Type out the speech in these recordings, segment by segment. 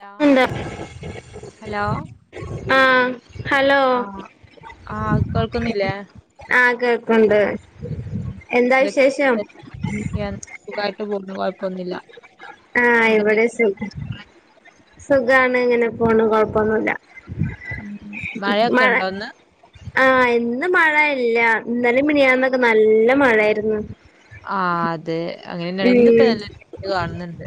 Hello ണ്ട് hello ആഹ് hello ആഹ് ആഹ് കേൾക്കുന്നില്ലേ ആഹ് കേക്കണ്ട് എന്തൊക്കണ്ട് വിശേഷം സുഖായിട്ട് പോണ് കൊഴപ്പൊന്നുല്ല ആഹ് ഇവിടെ സുഖ സുഖാണ് ഇങ്ങനെ പോണ് കൊഴപ്പൊന്നുല്ല മഴ മഴൊക്കെണ്ടോ ഇന്ന്? ആഹ് ഇന്ന് മഴയില്ല ഇന്നലിം മിനിയാന്നൊക്കെ നല്ല മഴായിര്ന്ന്. ആഹ് അതെ അങ്ങനിന്നെണ് ഇന്ന് ഇപ്പോ ഉം നല്ല വെയില് കാണുന്നുണ്ട്.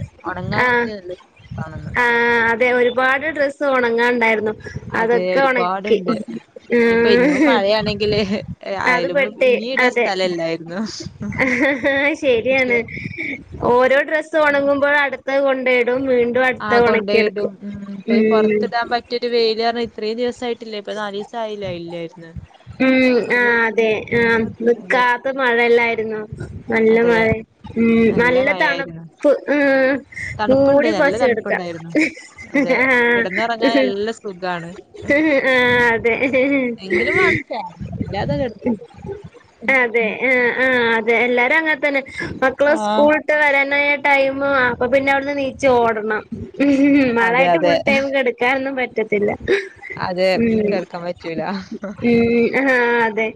ആഹ് ഉണങ്ങാനൊക്കെ നല്ലവെയില് കാണുന്നുണ്ട്. ആഹ് അതെ ഒരുപാട് ഡ്രസ്സ് ഉണങ്ങാണ്ടായിരുന്നു. അതെ അതക്കെ ഉണക്കി ഒരുപാടുണ്ട് ഇപ്പൊ ഇന്നും ഉം മഴയാണെങ്കിൽ അത് പെ അയലുമ്പോ തെ ഇനി ഇടാൻ അതെ സ്ഥലമില്ലായിരുന്നു [unintelligible] ശരിയാണ് പക്ഷെ ഓരോ ഡ്രസ്സ് അത് ഉണങ്ങുമ്പഴും അട്ത്തത് കൊണ്ടേടും വീണ്ടും ണ്ടും ആ അടുത്ത ഉണക്കി എടുക്കും കൊണ്ടേയിടും ഉം, ഇപ്പൊ ഈ ഉം [unintelligible] വെയില് കാരണം ഇത്രയും ദിവസായിട്ടില്ല ഇപ്പൊ നാലീസ് [unintelligible] ഇല്ലായിരുന്നു ഉം അത ഇടെ മഴയല്ലായിരുന്നോ നല്ല മഴ ഉം നല്ല തണുപ്പ് ഉം തണുപ്പുണ്ട് മൂടി നല്ല പൊതച്ച് കെടുക്ക തണുപ്പുണ്ടായിരുന്നു. അതെ ആഹ് കിടന്നുറങ്ങാൻ നല്ല സുഖാണ്. [unintelligible] ആഹ് അതെ [unintelligible] എങ്കിലും വേണം ഫാൻ ഇല്ലാതെ കിട അതെ ആഹ് ആഹ് അതെ എല്ലാരും അങ്ങനെ തന്നെ മക്കളെ ആഹ് സ്കൂൾ ഇത്ത വരാനായ ടൈമ് അപ്പ പിന്നെ അവിടുന്ന് നീച് ഓടണം [unintelligible] അതെ മണായിട്ട് അതെ ഫുൾ ടൈം കെടക്കാനൊന്നും പറ്റത്തില്ല അതെ കെടക്കാൻ പറ്റൂല്ലാ ഉം അഹാ അതെ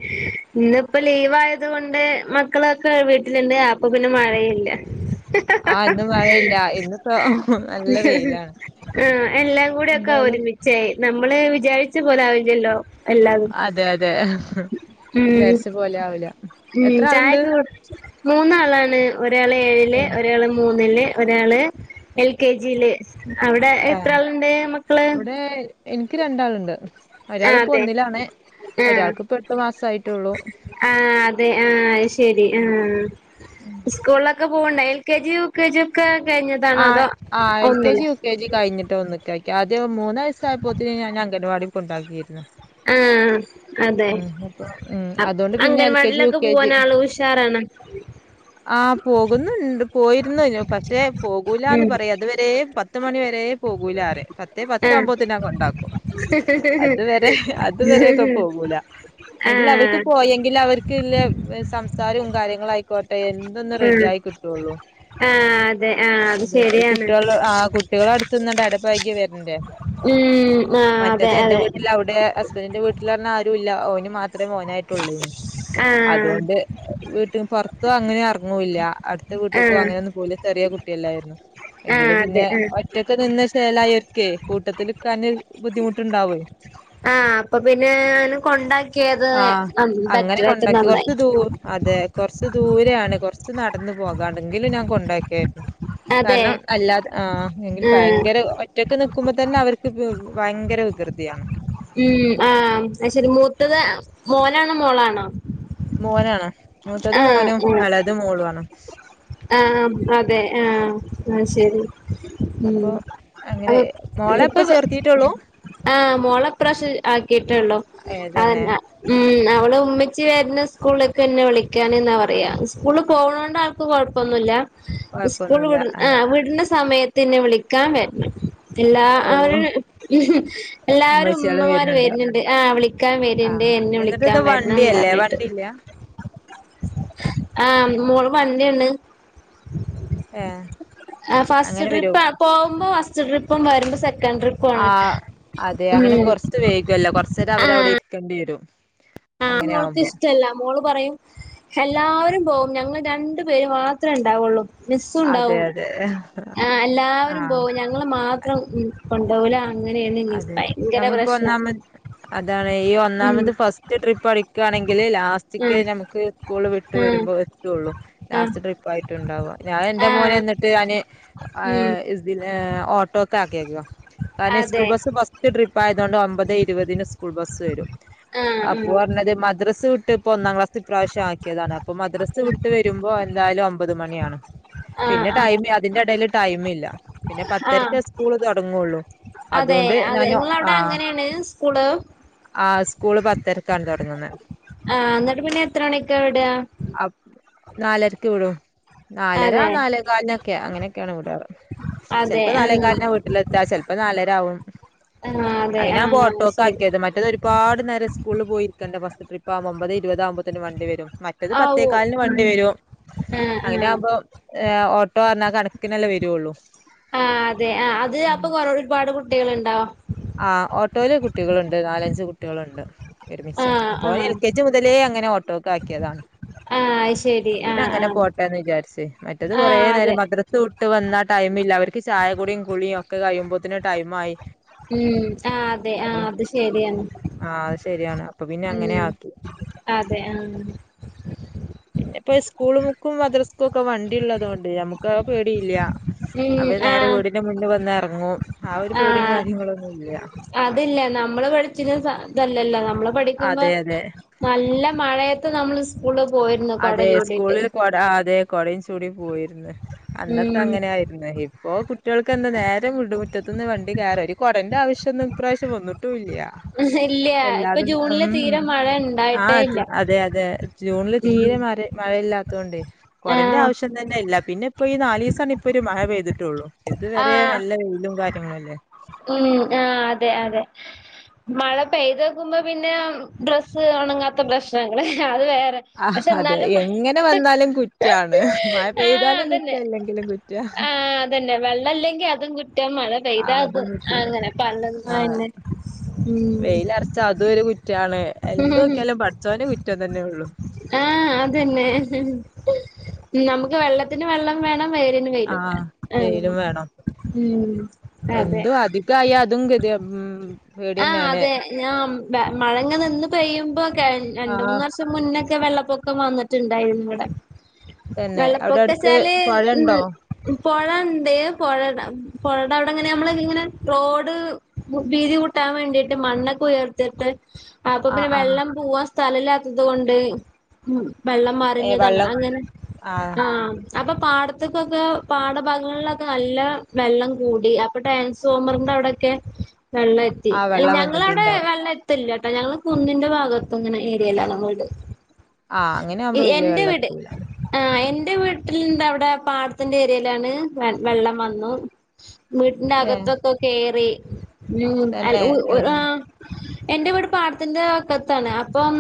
ഇന്നിപ്പോ ലീവ് ആയതുകൊണ്ട് മക്കളൊക്കെ വീട്ടിലുണ്ട് അപ് അപ്പപ്പിന്നെ മഴയില്ല ആഹ് ഇന്നു മഴയില്ല. ഇന്നിപ്പോ നല്ല വെയിലാണ്. ആഹ് എല്ലാം കൂടിയൊക്കെ എന്തായാലും ഒരുമിച്ചെ നമ്മള് വിചാരിച്ച പോലെ ആവില്ലല്ലോ എല്ലാതും. അതെ അതെ ഉം വിചാരിച്ച പോലെ ആവില്ല. ഉം എത്ര ആള്ണ്ട്? ചായൊക്കെ കു മൂന്നാളാണ്. ഒരാള് ഏഴില് ഒരാള് മൂന്നില് ഒരാള് എൽ കെ ജി ല്. അവിടെ ഏഹ് എത്ര ആള്ണ്ട് മക്കള് ഇവിടെ എനിക്ക് രണ്ടാള്ണ്ട്. ആ ഒരാളിപ്പോ അതെ ഒന്നിലാണ് ഒരാൾക്ക് ഇപ്പം എട്ടു മാസായിട്ടൊള്ളൂ. ആഹ് അതെ ആഹ് ശെരി ആഹ് ഉം ഇസ്കൂളിലൊക്കെ പോവ്ണ്ടോ L K G U K G ഒക്കെ കയിഞ്ഞതാണോ അതോ ഒന്നിലോ കയിഞ്ഞിട്ടാ ഒന്ന്ക്ക് ആക്കിയേ ആദ്യം മൂന്നയസായപ്പോത്തിന് ഞാൻ അംങ്കനവാടി കൊണ്ടാക്കിയിരുന്നു. ആഹ് ആഹ് അതെ ഉം അപ്പൊ ഉം അ അതുകൊണ്ട് പിന്നെ എൽ കെ ജി, യു അംഗനവാടിലൊക്കെ കെ പോവാനാള് ഉഷാറാണ് ആഹ് പോകുന്നുണ്ട് പോയിരുന്നു പക്ഷെ പോകൂലാന്ന് ഉം പറയും അതുവരെ പത്ത്മണി വരെ പോകൂലാറയും പത്തേ ആ പത്താകുമ്പോത്തിനും ഞാൻ കൊണ്ടാക്കും. അതുവരെ അതുവരെക്കെ പോകൂല ആ ആ എങ്കിൽ അവർക്ക് പോയെങ്കിലവർക്ക് ഇല്ല സംസാരവും കാര്യങ്ങളായിക്കോട്ടെ എന്തെന്ന് റെഡി ആയി കിട്ടുള്ളൂ. ആഹ് അതെ ആഹ് അതെ ഈ കുട്ടൊള് ആ കുട്ടികളടുത്ത്ന്ന്ണ്ട് എടപയകി വരണ്ടേ ഉം ആ മറ്റെത് അതെ എന്റെ അതെ വീട്ടിൽ അവ്ടെ ഹസ്ബന്റിന്റെ വീട്ടിൽറഞ്ഞ ആരുല്ല ഓന് മാത്രമേ മോനായിട്ടുള്ളെനും ആഹ് അതുകൊണ്ട് വീട്ട് പൊറത്തും അങ്ങനെ ഇറങ്ങൂല്ല അടുത്ത വീട്ടക്കും ആഹ് അങ്ങനെയൊന്നും പോല ചെറിയെ കുട്ടിയല്ലായിരുന്നു ആഹ് എങ്കിലും അതെ പിന്നെ ആഹ് ഒറ്റക്കെ നിന്ന് ശേലായൊർക്കെ കൂട്ടത്ത്ല്ക്കാന് ബുദ്ധിമുട്ടുണ്ടാവെ ആ അപ്പൊ പിന്നെ ഓനെ കൊണ്ടാക്കിയത് ആഹ് അങ്ങനെ ബെറ്ററായിട്ടും കൊണ്ടാക്കി നന്നായി കൊറച്ച് ദൂ അതെ കൊറച്ച് ദൂരെയാണ് കൊറച്ച് നടന്നു പോകാണ്ട് എങ്കിലും ഞാൻ കൊണ്ടാക്കെർന്ന്. അതെ കാരണം അല്ലാതെ ആ എങ്കിൽ ആഹ് ഭയങ്കര ഒ ഒറ്റക്ക് നിക്കുമ്പോത്തന്നെ അവർക്ക് ഭയങ്കര വികൃതിയാന്ന് ഉം ആഹ് ഐശരി മൂത്തത് മോനാണോ? മോളാണോ? മോനാണ് മൂത്തത് ആഹ് മോനും ആഹ് എളെത് മോളും ആണ് ആഹ് അതെ ആഹ് ഐശരി ഉം അപ്പൊ അങ്ങനെ ആഹ് മോളെ ഇപ്പൊ ഇപ്പം ചേർത്തീട്ടെള്ളൂ? ആഹ് മോളെപ്രാവ്ശ്യ ആക്കിട്ടുള്ളോ ഏ തന്നെ അതെന്നെ ഉം അവള് ഉമ്മച്ചി വെര്ണ സ്കൂളിലേക്കെന്നെ വിളിക്കാന് ന്നാ പറയാ സ്കൂള് പോവണോണ്ട് ആൾക്ക് കൊഴ പ്പോന്നുല്ല സ്കൂൾ വിട ആ വിട്ണ സമയത്ത്ന്നെ വിളിക്കാൻ വെരണം എല്ലാ ഓ അവര എല്ലാവരും ഉമ്മച്ചികളും ഉമ്മമാര് വരുന്നുണ്ട് വരുണുണ്ട് ആ വിളി ക്കാൻ ആ വര്ണ്ട് എന്നെ എന്നിട്ട് ഇത് വിളിക്കാൻ വെരണം വണ്ടിയല്ലേ പറഞ്ഞിട്ട് വണ്ടിയില്ല ആഹ് മോള് വണ്ടിണ്ട് ഏ ആഹ് ഫസ്റ്റ് അങ്ങനെ വരും ട്രിപ്പാ പോവുമ്പോ ഫസ് ട്രിപ്പും വരുമ്പോ സെക്കന്റ് ട്രിപ്പും ആണ് ആഹ് അതെ അങ്ങനെ ഉം കൊറച്ച് വെയ്കല്ലോ കൊറച്ചേരം അവരവിടെ ഇരിക്കണ്ടിരും ആ മോൾക്ക് ഇഷ്ട്ടല്ല മോള് പറയും എല്ലാവരും പോകും ഞങ്ങൾ രണ്ടു പേര് മാത്രമേ ഉണ്ടാവുള്ളൂ മിസ്സും അതെ ഉണ്ടാവും അതെ ആഹ് ആ എല്ലാവരും പോകും ഞങ്ങള് മാത്രം ഉം കൊണ്ടാവുലാ അങ്ങനെയാണെനി അതെ ഭയങ്കര നമ്മളിപ്പോ പ്രശ്നം ഒന്നാമത് അതാണ് ഈ ഉം ഒന്നാമത് ഫസ്റ്റ് ട്രിപ്പ് അടിക്കാണെങ്കിൽ ലാസ്റ്റക്ക് ആഹ് ഞമുക്ക് സ്കൂള് വിട്ട് ആഹ് വരുമ്പോ ത്തുള്ളൂ ആഹ് ലാസ്റ്റ് ട്രിപ്പായിട്ടാണുണ്ടാവാ ഞാൻ എന്റെ മോനെ ആഹ് എന്നിട്ട് ഞാന് ആ ഉം ഇതിന് ഓട്ടോക്കാക്കെയ്ക്കാ കാരണേച്ചാ അതെ ബസ് ഫസ്റ്റ് ട്രിപ്പായതോണ്ട് ഒമ്പതെ ഇരുപതിന് സ്കൂൾ ബസ് വരും ആഹ് ആഹ് അപ്പൊർഞ്ഞത് മദ്രസ് വിട്ട് ഇപ്പൊ ഒന്നാം ക്ലാസ് ഇപ്രാവശ്യം ആക്കിയതാണ് അപ്പൊ മദ്രസ് വി ട്ട് വരുമ്പോ എന്തായാലും ഒമ്പത് മണിയാണ് ആഹ് പിന്നെ ആഹ് ടൈം അതിന്റെ ഇടേല് ടൈമില്ല പിന്നെ ആഹ് പത്തരക്ക് സ്കൂള് തൊടങ്ങൊള്ളൂ അതെ അതെ ഇങ്ങളവിടെ അങ്ങനേണ് സ്കൂള് ആഹ് സ്കൂള് പത്തരക്കാണ് തൊടങ്ങുന്നെ ആഹ് എന്നിട്ട് പിന്നെ എത്ര മണിക്കാ വിടാ അ നാലരക്ക് വിടും നാലര അതെ നാലേകാൽനൊക്കെ അങ്ങനൊക്കെയാണ് വിടാറ് അതെ ചെൽപ്പം ആഹ് നാലേകാൽനാ വീട്ടിലെത്താ ചെൽപ്പം നാലേ താവും ആഹ് അതെ അങ്ങനാ ആഹ് ശരി ഓട്ടോക്കാക്യത് മറ്റതൊര് ഒരുപാട് നേരം സ്കൂള്ള് പോയിരിക്കേണ്ടെ ഫസ്റ്റ് ട്രിപ്പാകുമ്പം ഒമ്പതെ ഇരുപതാകുമ്പത്തേന് വണ്ടി വരും മ ഇത് ആവോ പത്തേക്കാൽന് വണ്ടി ഉം വരും ആഹ് അഹ് ആഹ് നാഉമ്പോ ഏഹ് ഓട്ടോ അർഞ്ഞാ കണക്കിനെല്ലേ വരൊള്ളൂ ആഹ് അതെ ആഹ് അത് അപ്പൊ കൊറെ ഒരുപാട് കുട്ടികള്ണ്ടാവും ആഹ് ഓട്ടോല് കുട്ടികള്ണ്ട് നാലഞ്ച് കുട്ടികള്ണ്ട് ഒരുമിച്ച് ആഹ് അപ്പൊ ആഹ് എൽ കെ ജി മുതലേ അങ്ങനെ ഓട്ടോക്കാക്കിയതാണ് ആഹ് അത് ശരി ആഹ് അപ്പപിന്നങ്ങനെ ആഹ് പോട്ടേന്ന് വിചാര്ച്ച് മറ്റത് കൊറേ ആഹ് അതെ നേരം മദ്ര സുട്ട് വന്നാ ടൈമില്ല അവർക്ക് ചായ കുടിയും കുളിയും ഒക്കെ കഴിയുപോത്തിന് ടൈമായി ഉം ആഹ് അതെ ആഹ് അത് ശെരിയാണ് ആഹ് അത് ശരിയാണ് അപ്പൊ പിന്നെ അങ്ങനെ ഉം ആക്കി അതെ ആഹ് പിന്നെ ഇപ്പൊ സ്കൂൾക്കും മദ്രസ്ക്കൊക്കെ വണ്ടിള്ളതോണ്ടെ നമുക്ക് ആഹ് പേടിയില്ല ഉം അപ്പ നേരെ ആഹ് വീടിന്റെ മുന്നില് വന്ന് എർങ്ങും ആ ഒരു പേടിയും ആഹ് കാര്യങ്ങളൊന്നും ഇല്ല അതില്ല നമ്മള് പഠിച്ചീന സ ഇതല്ലല്ലോ നമ്മള് പഠിക്കുമ്പോ അതെ അതെ നല്ല മഴയത്ത് നമ്മള് സ്കൂള് പോയിരുന്നു കൊട ചൂടീട്ട് ആഹ് അതെ കൊടയും ചൂടി പോയിര്ന്ന് അന്നൊക്കെ ഉം അങ്ങനായിര് ന്ന ഇപ്പോ കുട്ടികൾക്കെന്താ നേരെ വിടും മുറ്റത്ത്ന്ന് വണ്ടി കേറാ ഒരു കൊടന്റെ ആവശ്യൊന്ന് ഇപ്രാവശ്യം വന്ന് ട്ടൂല്യ ഇല്ല ഇപ്പൊ എല്ലാതും ജൂണില് ഉം തീരെ മഴ ഇണ്ടായിട്ടേ ഇല്ല ആഹ് അതെ അതെ ജൂണില് ഉം തീരെ അരെ മഴല്ലാത്തോണ്ട് കൊടന്റെ ആഹ് ആവശ്യം തന്നെയില്ല പിന്നപ്പൊ ഈ നാലീസാണ് ഇപ്പൊരു മഴ പെയ്തിട്ടുള്ളൂ ഇതുവരെ ആഹ് നല്ല വെയിലും കാര്യങ്ങളു അല്ലേ ഉം ആഹ് അതെ അതെ മഴ പെയ്തോക്കുമ്പം പിന്നെ ഡ്രസ്സ് ഒണങ്ങാത്ത പ്രശ്നങ്ങള് അത് വേറെ ആഹ് പക്ഷെ അതെ എന്നാലും മ എങ്ങനെ വന്നാലും കുറ്റാണ് മഴ ആഹ് പെയ്താലും കുറ്റം ഇല്ലെങ്കിലും കുറ്റം തന്നെ വെള്ളല്ലെങ്കി അതും കുറ്റം മഴ ആ പെയ്താ അത് അതും പറ്റും അങ്ങനെ പണ്ട് ആഎന്നെ ഉം ച്ചാ അതൊരു കുറ്റാണ് എന്ത് നോക്കിയാലും പഠച്ചോന് കുറ്റം തന്നെ ഒള്ളൂ ഏഹ് അതന്നെ നമക്ക് വെള്ള ത്തിന് വെള്ളം വേണം വെയിലിന് ആ വെയിലും വേണം ആഹ് വെയിലും വേണം ഉം അതെ ത്തായാ അതും കെതേ ഉം ആഹ് പേടിയന്നെയാണ് അതെ ഞാ മഴങ്ങ് നിന്ന് പെയ്യുമ്പോ കെഴ ആ രണ്ട് മൂന്ന് വർഷ ത്തിന് മുന്നൊക്കെ വെള്ളപ്പൊക്കം വന്നിട്ടുണ്ടായിരുന്നു ഇവടെ തന്നെ അവിടെ അടുത്ത് വെള്ളപ്പൊക്കച്ചാല് ഉം പൊഴണ്ടോ പൊഴണ്ട് പൊഴേടെ പൊഴേടെ അവിടങ്ങനെ നമ്മള് ഇങ്ങനെ റോഡ് വീതി കൂ ട്ടാൻ വേണ്ടിട്ട് മണ്ണൊക്കെ ഉയർത്തിട്ട് അപ്പൊ ആഹ് പിന്നെ ആഹ് വെള്ളം പോവാൻ സ്ഥലല്ലാത്തത് കൊണ്ട് വെള്ളം ഏ മറിഞ്ഞതാണ് വെള്ളം അങ്ങനെ ആഹ് അപ്പൊ പാടത്ത്ക്കൊക്കെ പാടഭാഗങ്ങൾലൊക്കെ നല്ല വെള്ളം കൂടി അപ്പൊ ട്രാൻസ്ഫോമറിന്റെ അവിടെ ക്കെ വെള്ളത്തി ആ വെള്ളം ഞങ്ങളവിടെ വന്നിട്ടുണ്ടാവും വെള്ള തില്ലട്ടോ ഞങ്ങൾ കുന്നിന്റെ ഭാഗത്തു ങ്ങനെ ഏരിയയിൽ ആണ് വീട് ആഹ് അങ്ങനെ ആഉമ്പോ വല്യ വെള്ളതൂല ആഹ് എന്റെ വീട്ടിൽന്റെ അവിടെ പാടത്തിന്റെ ഏരിയയിലാണ് വെള്ളം വന്നു വീട്ടിന്റെ ഏഹ് അകത്തൊക്ക കയറി ഉം അൽ തന്നെ ഏഹ് ആഹ് എന്റെ വീട് പാടത്തിന്റെ വക്കത്താണ് അപ്പം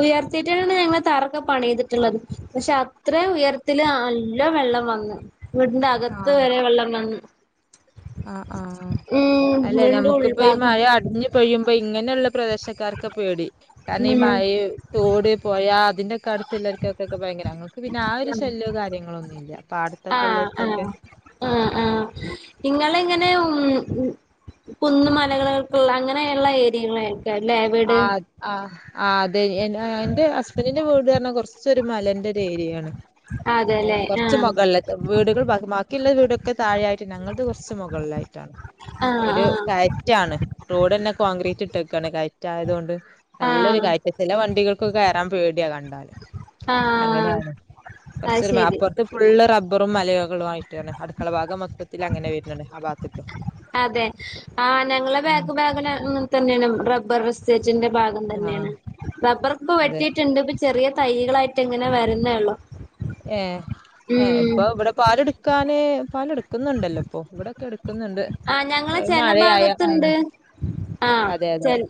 ഉയർത്തിയിട്ടാണ് ഞങ്ങള് തറ ഒക്കെ പണിതിട്ടുള്ളത് പക്ഷെ അത്രേം ഉയരത്തില് നല്ല വെള്ളം വന്ന് വീടിന്റെ അകത്ത് ആഹ് വരെ വെള്ളം വന്നു ആഹ് ആഹ അല്ലെ വീടിന്റെ നമുക്കിപ്പോ ഈ ഉൾഭാഗം മഴ അടിഞ്ഞു പെയ്യുംമ്പോ ഇങ്ങനെയുള്ള പ്രദേശ ക്കാർക്ക് പേടി കാരണം ഈ ഉം മഴ തോട് പൊയ അതിന്റെക്കെ അടുത്ത്ള്ളർക്കൊക്കെക്കെ ഭയങ്കര മക്ക് പിന്നെ ആഹ് ഒരു ശല്യവു കാര്യങ്ങളോ ഒന്നും ഇല്ലപാടത് ക്കെള്ളവർക്കൊക്കെ ഇങ്ങൾ ഇങ്ങനെ ഉം ഉം കുന്ന് മലകൾക്കുള്ള അങ്ങനെയുള്ള ഏരിയകള ആയിരിക്ക ലേവീട് ആഹ് ആഹ് അതെ എന്റെ ഹസ്ബൻ്റിന്റെ വീട് പറഞ്ഞാ കുറച്ചൊരു മലന്റെ ഒരു ഏരിയാണ് ആഹ് അതെല്ലേ കുറച്ച് മുകളിലാ വീടുകൾ ബാക്കിയുള്ള വീടൊക്കെ താഴെയായിട്ട് ഞങ്ങൾടത് കുറച്ച് മുകളിലായിട്ട് കയറ്റാന് ഒരു ആഹ് കയറ്റാണ് റോഡന്നെ കോൺക്രീറ്റ് ഇട്ടക്കാണ് കയറ്റ റ്റായതുകൊണ്ട് നല്ലൊരു ആഹ് കയറ്റ ചില വണ്ടികൾക്ക് കയറാൻ പേടിയാ കണ്ടാല് ആഹ് ആഹ് അങ്ങനെയാണ് അത് കുറച്ചൊരു ശരി മാപ്പുറത്ത് ഫുള്ള് റബ്ബറും മലകളും ആയിട്ടാണ് അടുക്കള ഭാഗം മൊത്തത്തിൽ അങ്ങനെ വരുന്നു ആ ഭാഗത്തക്ക് അതെ ആ ഞങ്ങളെ ബാക്ക് ഭാഗം അങ്ങനെ തന്നെയാണ് റബ്ബർ സേറ്റിന്റെ ഭാഗം ആഹ് തന്നേണ് റബറ് ഇപ്പം അതെ വെട്ടിട്ട്ണ്ട് ചെറിയ തൈകളായിട്ടങ്ങനെ വരുന്നേള്ളൂ ഏഹ് ഏഹ് ഇപ്പൊ ഇവിടെ പാലെടുക്കാന് പാലെടുക്കുന്നുണ്ടല്ലോ ഇപ്പൊ ഇവിടെ ക്കെ എടുക്കുന്നുണ്ട്. ആഹ് ഏ, ഞങ്ങളെ ചെല മഴയായ ഉം ഭാഗത്തുണ്ട് ആഹ് അതെ അതെ ചെൽ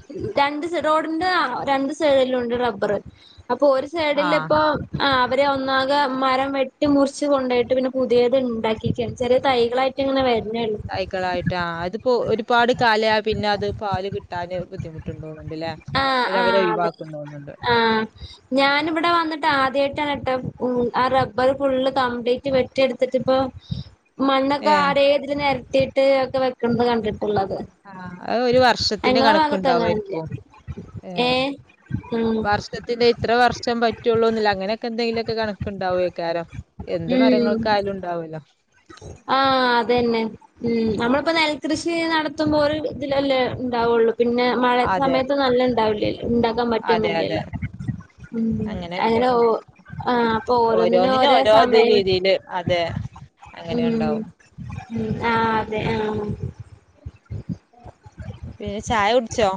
രണ്ടു റോഡിന്റെ രണ്ട് സൈഡിലും ഉണ്ട് റബ്ബർ അപ്പൊ ഒരു ആഹ് സൈഡിലിപ്പൊ ആഹ് അവരെ ഒന്നാകെ മരം വെട്ടി മുറിച്ച്കൊണ്ടോയിട്ട് പിന്നെ പുതിയത് ഇണ്ടാക്കിക്കാണ് ചെറിയ തൈകളായിട്ട് ക്കങ്ങനെ വരുന്നേള്ളു തൈകളായിട്ട് അത്പ്പോ ഒരുപാട് കാല പിന്നെ അത് പാല് കിട്ടാന് ബുദ്ധിമുട്ട് തോന്ന്ണ്ട്ല്ലേ ആ അവ ആ അവരെ അതെ ഒഴിവാക്ക്ന്ന് തോന്ന്ണ്ട് ആ ഞാനിവിടെ വന്നിട്ട് ആദ്യായിട്ടാണ് ഇട്ട മ് റബ്ബർ ഫുള്ള് കംപ്ലീറ്റ് വെട്ടിയ എടു ന്നെറ്റ് ഇപ്പോ മണ്ണൊക്കെ ഏഹ് ആടേതിൽ നിരത്തിട്ട് ഒക്കെ വെക്കുന്നത് കണ്ടിട്ടുള്ളത് ആഹ് അത് ഒരു വർഷത്തിന്റെ ഞങ്ങളെ ഭാഗത്ത് അങ്ങനൊന്നുല്ല കണക്കുണ്ടയിരിക്കും ഏ ഏഹ് ഉം വർഷത്തിൽ ഇത്ര വർഷം പറ്റുള്ളൂന്നില്ല അങ്ങനെയൊക്കെ എന്തെങ്കിലുമൊക്കെ കണക്കുണ്ടാവോക്കാരം എന്ത് ഉം. മരങ്ങൾക്ക് ആയാലും ഉണ്ടാവല്ലോ ആഹ് അതന്നെ ഉം നമ്മളിപ്പോ നെൽകൃഷി നടത്തുമ്പോ ഒരു ഇതിലല്ലേ ഉണ്ടാവുള്ളൂ പിന്നെ മഴ അതെ സമയത്ത് നെല്ല് ല്ല ഇണ്ടാവില്ലല്ലോ ഇണ്ടാക്കാൻ അതെ അതെ പറ്റുവൊന്നുംല്ലല്ലോ മ് അങ്ങനെ അങ്ങനെയൊക്കെയാണ് ഓ ആഹ് അപ്പൊ ഓരോന്നിനും ഓരോ ഇത് സമയം രീതിയില് അതെ അങ്ങനെ ഉം ഉണ്ടാവും ഉം ആഹ് അതെ ആഹ് പിന്നെ ചായ കുടിച്ചോ?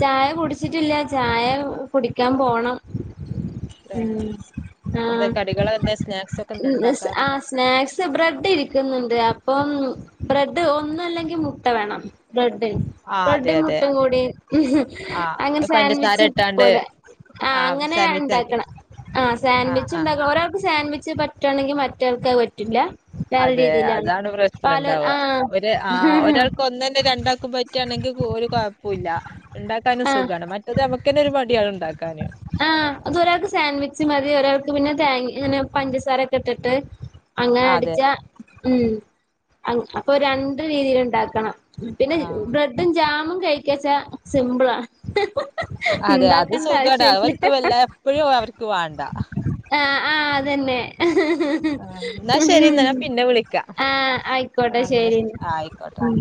ചായ കുടിച്ചിട്ടില്ല ചായ കുടിക്കാൻ പോണം ഏ, ഉം എന്താ ആഹ് കടികൾ എന്താ സ്നാക്സ് ഒക്കെ എന്ത- സ് ആ ഉണ്ടാക്കാറുണ്ടോ സ്നാക് സ് ബ്രെഡ് ഇരിക്കുന്നുണ്ട് അപ്പം ബ്രെഡ് ഒന്നും അല്ലെങ്കി മുട്ട വേണം ബ്രെഡിന് ആഹ് അതെ ബ്രെഡും അതെ മുട്ടയും കൂടി അങ്ങനെ ആഹ് പഞ്ചസാര സാൻഡ്‌വിച്ച് ഇട്ടാണ്ട് പോലെ ആഹ് അങ്ങനെ സാൻവിച്ച് ആക്കി ഇണ്ടാക്കണം ആ ആഹ് സാൻഡ്‌വിച്ച് ആഹ് ഇണ്ടാക്കണം ഓരാക്ക് സാൻഡ്‌വിച്ച് പറ്റൂ പറ്റാണെങ്കിൽ മറ്റവൾക്ക് അത്‌ പറ്റില്ല വേറെ അതെ രീതിയിലാണ് അതാണ് പല പ്രശ്നംണ്ടാവുക ആ ഒരു ആ ഒരാൾക്ക് ഒന്ന് തന്നെ രണ്ടാക്കും പറ്റ പറ്റാണെങ്കി ഒരു കുഴപ്പുല്ല ഇണ്ടാക്കാനും ആ സുഖാണ് മറ്റത് നമുക്കന്നെ ഒരു മടിയാണ് ഇണ്ടാക്കാന് ആഹ് അത് ഒരാൾക്ക് സാൻഡ്‌വിച്ച് മതി ഒരാൾക്ക് പിന്നെ തേങ്ങ അങ്ങനെ പഞ്ചസാരൊക്കെ ഇട്ടിട്ട് അങ്ങനെ അതെ അടിച്ചാ ഉം അപ്പൊ രണ്ട് രീതിയിൽ ഇണ്ടാക്കണം പിന്നെ ആ ബ്രഡും ജാമും കഴിക്കാച്ചാ സിമ്പിളാ അതെ അത് ഉണ്ടാക്കണ്ട സുഖാടാ ആവശ്യല്ല അവർക്ക് വല്ല എപ്പഴും അവർക്ക് വേണ്ട ആഹ് ആഹ് അതന്നെ ആ എന്നാ ശരി എന്നാ ഞാൻ പിന്നെ വിളിക്കാം ആഹ് ആ ആയിക്കോട്ടെ എന്നാ ശരി ആയിക്കോട്ടെ മ്